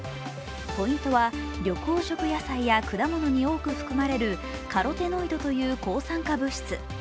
ポイントは緑黄色野菜や果物に多く含まれるカロテノイドという抗酸化物質。